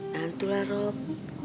nah itu lah rob